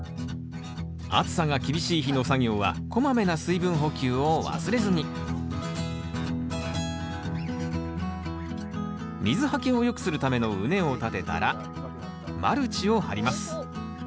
暑さが厳しい日の作業はこまめな水分補給を忘れずに水はけを良くするための畝を立てたらマルチを張ります。